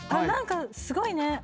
何かすごいね。